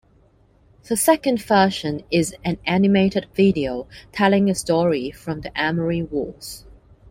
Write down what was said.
The second version is an animated video, telling a story from the Amory Wars.